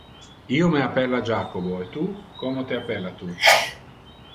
Io me appella Jacobo. E tu? Como te appella tu?